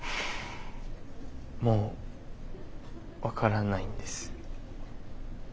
もう分からないんです。